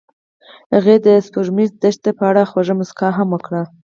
هغې د سپوږمیز دښته په اړه خوږه موسکا هم وکړه.